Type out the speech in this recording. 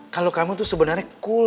kalau kamu tuh sebenarnya cool